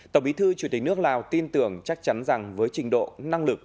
tổng bí thư chủ tịch nước lào tin tưởng chắc chắn rằng với trình độ năng lực